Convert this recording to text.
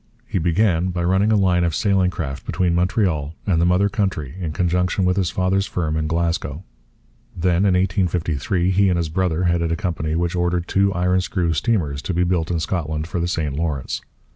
He began by running a line of sailing craft between Montreal and the mother country in conjunction with his father's firm in Glasgow. Then, in 1853, he and his brother headed a company which ordered two iron screw steamers to be built in Scotland for the St Lawrence.